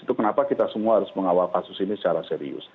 itu kenapa kita semua harus mengawal kasus ini secara serius